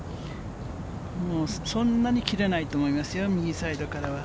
そんなに切れないと思いますよ、右サイドからは。